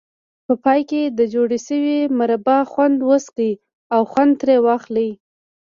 په پای کې د جوړې شوې مربا خوند وڅکئ او خوند ترې واخلئ.